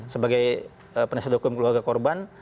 sebagai penasihat hukum keluarga korban